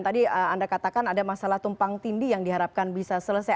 tadi anda katakan ada masalah tumpang tindi yang diharapkan bisa selesai